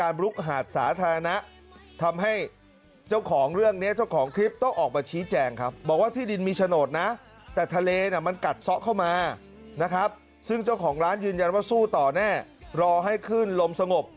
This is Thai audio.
ร้านยืนยันว่าสู้ต่อแน่รอให้ขึ้นลมสงบ